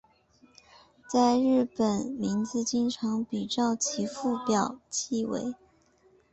在日本名字经常比照其父表记为。